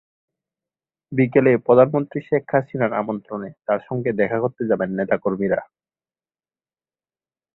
বিকেলে প্রধানমন্ত্রী শেখ হাসিনার আমন্ত্রণে তাঁর সঙ্গে দেখা করতে যাবেন নেতা কর্মীরা।